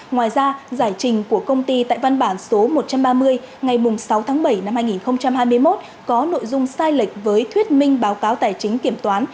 ngoài ra giải trình của công ty tại văn bản số một trăm ba mươi ngày sáu tháng bảy năm hai nghìn hai mươi một có nội dung sai lệch với thuyết minh báo cáo tài chính kiểm toán